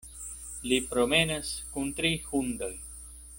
Li promenas kun tri hundoj.